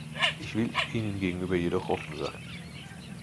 Ich will Ihnen gegenüber jedoch offen sein.